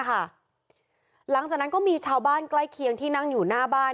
หลังจากนั้นก็มีชาวบ้านใกล้เคียงที่นั่งอยู่หน้าบ้าน